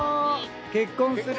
結婚する。